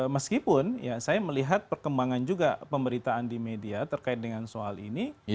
meskipun saya melihat perkembangan juga pemberitaan di media terkait dengan soal ini